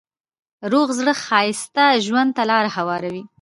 روغ زړه ښایسته ژوند ته لاره هواروي.